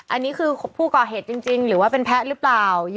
อันนี้คือผู้ก่อเหตุจริงหรือว่าเป็นแพ้หรือเปล่า